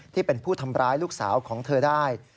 ที่เป็นผู้ทำร้ายลูกสาวของเธอได้